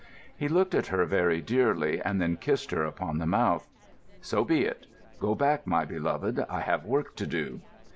He looked at her, very dearly, and then kissed her upon the mouth. "So be it. Go back, my beloved. I have work to do."